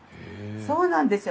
そうなんですよ。